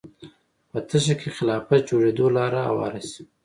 په تشه کې خلافت جوړېدو لاره هواره شي